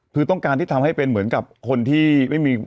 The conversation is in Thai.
คือต้องการที่ทำให้เป็นเหมือนกับคนที่ไม่มี